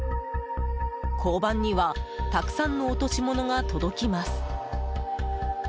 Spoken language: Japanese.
交番にはたくさんの落とし物が届きます。